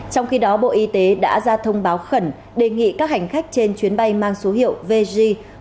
trong khi đó bộ y tế đã ra thông báo khẩn đề nghị các hành khách trên chuyến bay mang số hiệu vg bốn trăm năm mươi tám